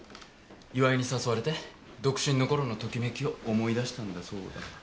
岩井に誘われて独身の頃のときめきを思い出したんだそうだ。